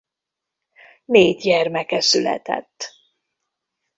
Négy gyermeke született.